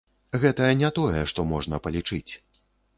Гэта не тое, што можна палічыць.